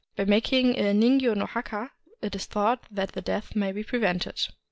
By mak ing a ningyo nO'haha it is thought that a death may be prevented.